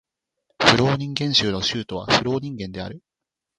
フローニンゲン州の州都はフローニンゲンである